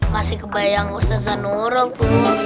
masih kebayang ustadz zanurung tuh